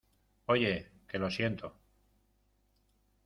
oye, que lo siento.